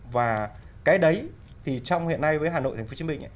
và cái đấy thì trong hiện nay với hà nội tp hcm